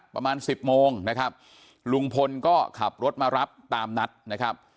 ประมาณสิบโมงนะครับลุงพลก็ขับรถมารับตามนัดนะครับ